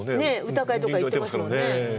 歌会とか行ってますもんね。